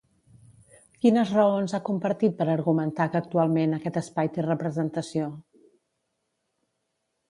Quines raons ha compartit per argumentar que actualment aquest espai té representació?